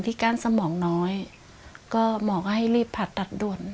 ก้านสมองน้อยก็หมอก็ให้รีบผ่าตัดด่วน